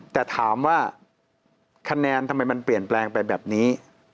แต่ถามว่าคะแนนทำไมมันเปลี่ยนแปลงไปแบบนี้